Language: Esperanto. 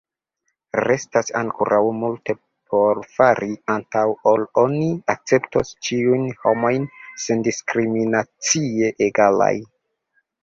Restas ankoraŭ multe por fari, antaŭ ol oni akceptos ĉiujn homojn sendiskriminacie egalaj.